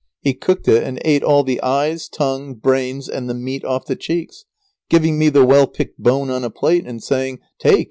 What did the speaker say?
He cooked it and ate all the eyes, tongue, brains, and the meat off the cheeks, giving me the well picked bone on a plate, and saying, "Take!